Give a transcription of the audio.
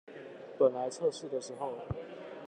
本來測試的時候